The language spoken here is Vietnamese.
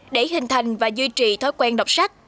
để hình thành và duy trì thói quen đọc sách